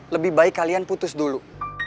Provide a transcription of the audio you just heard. lebih baik kalian putus dulu